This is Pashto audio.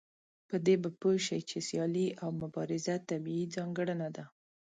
په دې به پوه شئ چې سيالي او مبارزه طبيعي ځانګړنه ده.